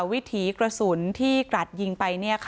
วิถีกระสุนที่กรัดยิงไป